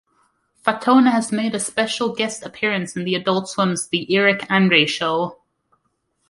Fatone has made a special guest appearance in Adult Swim's "The Eric Andre Show".